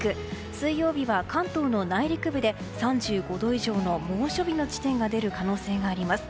水曜日は関東の内陸部で３５度以上の猛暑日の地点が出る可能性があります。